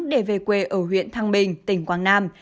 để về quê ở huyện thăng bình tỉnh quảng nam